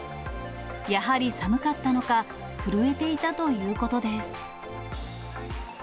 やはり寒かったのか、震えていたということです。